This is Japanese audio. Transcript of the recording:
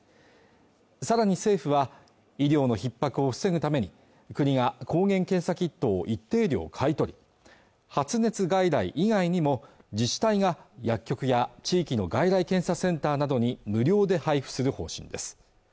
さらに政府は医療の逼迫を防ぐために国が抗原検査キットを一定量買い取り発熱外来以外にも自治体が薬局や地域の外来検査センターなどに無料で配布する方針です